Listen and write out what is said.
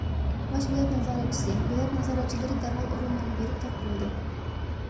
باش بېلەت نازارەتچىسى، بېلەت نازارەتچىلىرى دەرھال ئورۇنلىرىغا بېرىپ تەق بولدى.